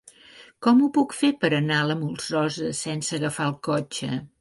Com ho puc fer per anar a la Molsosa sense agafar el cotxe?